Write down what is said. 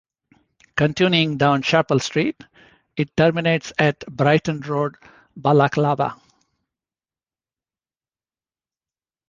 Continuing down Chapel Street, it terminates at Brighton Road, Balaclava.